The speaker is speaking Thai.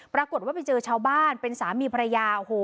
ปรากฏว่าไปเจอชาวบ้านเป็นสามีภรรยาโอ้โห